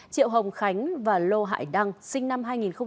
triệu hồng khánh và lô hải đăng sinh năm hai nghìn